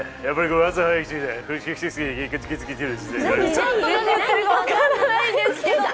朝早く何言ってるか分かんないですけど。